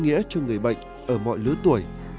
ý nghĩa cho người bệnh ở mọi lứa tuổi